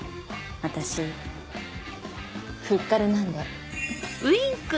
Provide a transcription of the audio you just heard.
私フッ軽なんで。